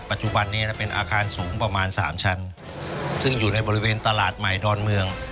ปัจจุบันนี้นะเป็นอาคารสูงประมาณสามชั้นซึ่งอยู่ในบริเวณตลาดใหม่ดอนเมือง